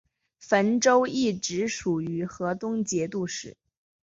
汾州一直属于河东节度使。